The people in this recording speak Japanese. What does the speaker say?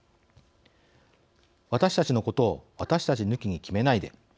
「私たちのことを私たち抜きに決めないで」